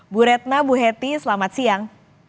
bu retna bu hetty selamat siang